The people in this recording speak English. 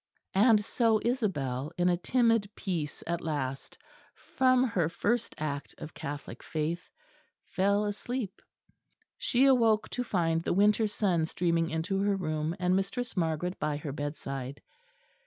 And so Isabel, in a timid peace at last, from her first act of Catholic faith, fell asleep. She awoke to find the winter sun streaming into her room, and Mistress Margaret by her bedside.